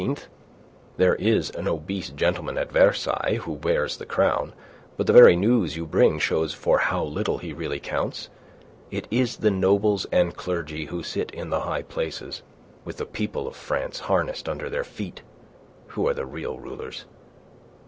There is an obese gentleman at Versailles who wears the crown, but the very news you bring shows for how little he really counts. It is the nobles and clergy who sit in the high places, with the people of France harnessed under their feet, who are the real rulers.